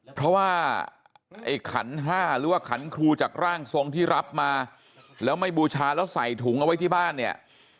เพราะว่าไอ้ขันห้าหรือว่าขันครูจากร่างทรงที่รับมาแล้วไม่บูชาแล้วใส่ถุงเอาไว้ที่บ้านเนี่ย